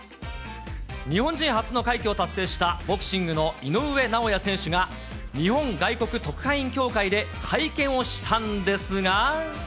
日本人初の快挙を達成したボクシングの井上尚弥選手が、日本外国特派員協会で会見をしたんですが。